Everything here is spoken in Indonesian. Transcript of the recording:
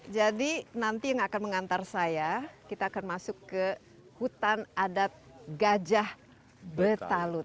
jadi nanti yang akan mengantar saya kita akan masuk ke hutan adat gajah betalut